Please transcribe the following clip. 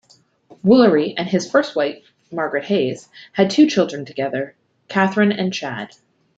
Woolery and his first wife, Margaret Hays, had two children together: Katherine and Chad.